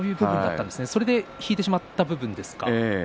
それで少し引いてしまったんですね。